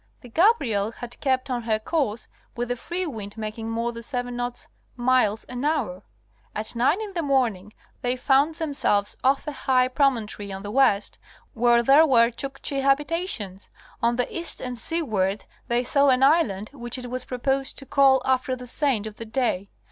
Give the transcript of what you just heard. The Gabriel had kept on her course with a free wind making more than seven knots (miles) an hour. At nine in the morning they found themselves off a high promontory on the west, where there were Chukchi habita tions. On the east and seaward they saw an island, which it was proposed to call after the saint of the day.